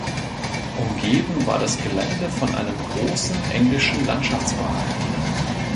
Umgeben war das Gelände von einem großen Englischen Landschaftspark.